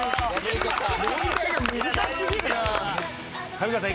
上川さん